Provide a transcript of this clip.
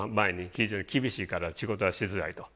非常に厳しいから仕事はしづらいと。